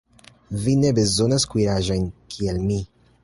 Vi ne bezonas kuiraĵojn, kiel mi.